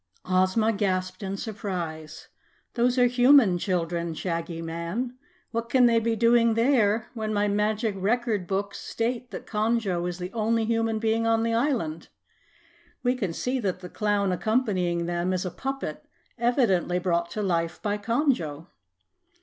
Ozma gasped in surprise. "Those are human children, Shaggy Man! What can they be doing there when my Magic Record Books state that Conjo is the only human being on the island? We can see that the clown accompanying them is a puppet, evidently brought to life by Conjo."